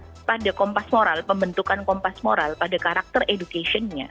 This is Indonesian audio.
memutamakan pada kompas moral pembentukan kompas moral pada karakter educationnya